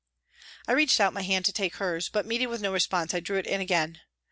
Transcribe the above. " I reached out my hand to take hers, but meeting with no response I drew it in again.